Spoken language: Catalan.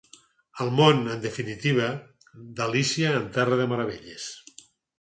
El món, en definitiva, d'Alícia en terra de meravelles.